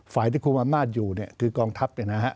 ฝ่ายที่คุณบำนาจอยู่เนี่ยคือกองทัพเนี่ยนะฮะ